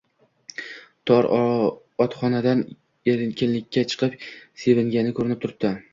Tor otxonadan erkinlikka chiqib sevingani ko`rinib turibdi